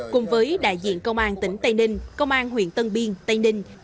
cùng với đại diện công an tỉnh tây ninh công an huyện tân biên tây ninh